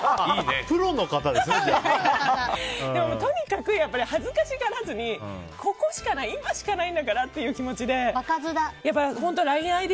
でも、とにかく恥ずかしがらずに、ここしかない今しかないんだからっていう気持ちで。